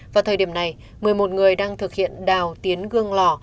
vào thời điểm này một mươi một người đang thực hiện đào tiến gương lò